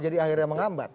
jadi akhirnya menghambat